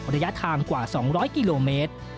ระยะทางกว่า๒๐๐กิโลเมตร